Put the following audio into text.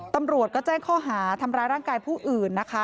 ตำรวจก็แจ้งข้อหาทำร้ายร่างกายผู้อื่นนะคะ